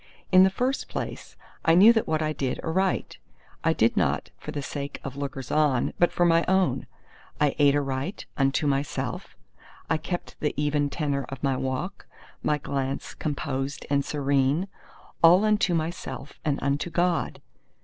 In the first place, I knew that what I did aright, I did not for the sake of lookers on, but for my own. I ate aright—unto myself; I kept the even tenor of my walk, my glance composed and serene—all unto myself and unto God.